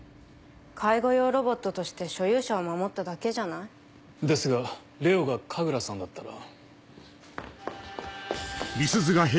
介護用ロボットとして所有者を守っただけじゃない？ですがＬＥＯが神楽さんだったら。